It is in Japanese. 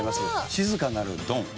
『静かなるドン』。